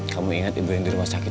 kamu ingat ibu yang di rumah sakit